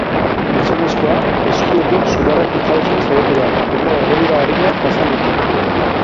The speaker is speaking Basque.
Gizonezkoa eskuekin sugarrak itzaltzen saiatu da, eta erredura arinak jasan ditu.